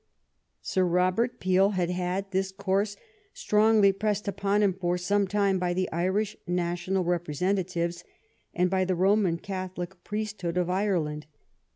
Sir Robert Peel had had this course strongly pressed upon him for some time by the Irish National Rep resentatives and by the Roman Catholic priest hood of Ireland.